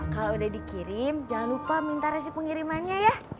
kalau udah dikirim jangan lupa minta resi pengirimannya ya